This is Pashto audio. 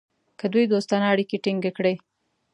که دوی دوستانه اړیکې ټینګ کړي.